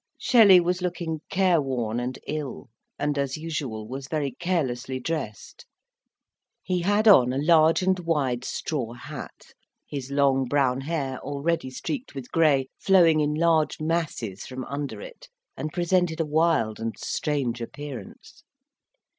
Shelley was looking careworn and ill; and, as usual, was very carelessly dressed. He had on a large and wide straw hat, his long brown hair, already streaked with grey, flowing in large masses from under it, and presented a wild and strange appearance.